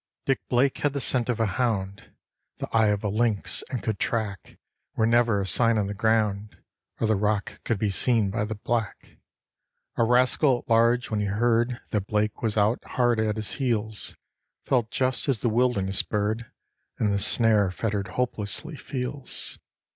Dick Blake had the scent of a hound, the eye of a lynx, and could track Where never a sign on the ground or the rock could be seen by the black. A rascal at large, when he heard that Blake was out hard at his heels, Felt just as the wilderness bird, in the snare fettered hopelessly, feels.